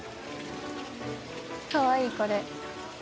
「かわいいこれ」